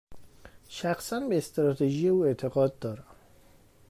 شخصا، به استراتژی او اعتقاد دارم.